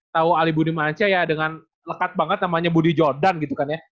tau ali budi mancia ya dengan lekat banget namanya budi jordan gitu kan ya